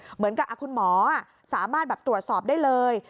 เหมือนกับคุณหมอสามารถตรวจสอบได้เลย